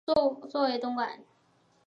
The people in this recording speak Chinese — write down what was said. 作为本丸的东馆是二廓的简单结构。